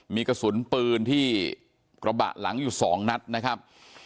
มีกระสุนปืนที่กระบะหลังอยู่๒นัดนะครับ